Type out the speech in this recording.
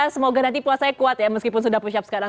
semoga nanti puas saya kuat ya meskipun sudah push up sekarang